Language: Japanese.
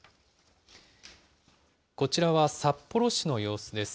こちらは、札幌市の様子です。